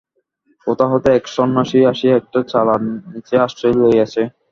কোথা হইতে এক সন্ন্যাসী আসিয়া একটা চালার নিচে আশ্রয় লইয়াছে।